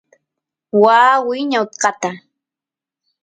waa wiña utkata